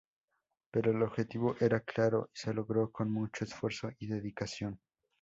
Pero el objetivo era claro y se logró, con mucho esfuerzo y dedicación.